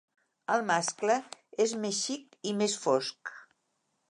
El mascle és més xic i més fosc.